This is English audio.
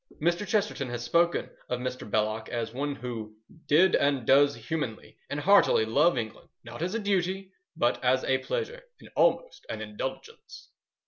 Mr. Chesterton has spoken of Mr. Belloc as one who "did and does humanly and heartily love England, not as a duty but as a pleasure, and almost an indulgence."